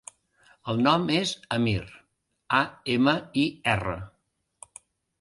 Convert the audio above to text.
El nom és Amir: a, ema, i, erra.